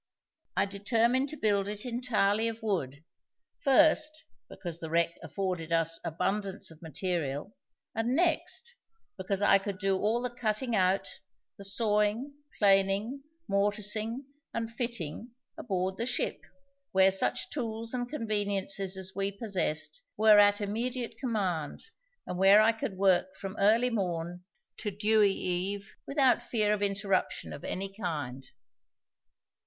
I determined to build it entirely of wood, first, because the wreck afforded us abundance of material, and next, because I could do all the cutting out, the sawing, planing, mortising, and fitting aboard the ship, where such tools and conveniences as we possessed were at immediate command, and where I could work from early morn to dewy eve without fear of interruption of any kind.